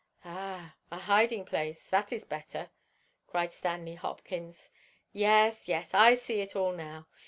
"Ah, a hiding place—that is better!" cried Stanley Hopkins. "Yes, yes, I see it all now!